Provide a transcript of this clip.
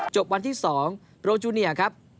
จบวันที่๒โรจูเนียครับ